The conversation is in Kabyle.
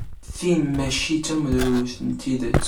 Tin maci d tamudrut n tidet.